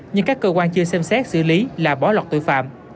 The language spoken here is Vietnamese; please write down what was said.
nhưng các cơ quan chưa xem xét xử lý là bó lọc tội phạm